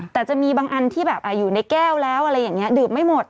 แต่จะมีบางอันที่แบบอยู่ในแก้วแล้วอะไรอย่างนี้ดื่มไม่หมด